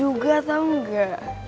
udah banyak dapat dahulu juga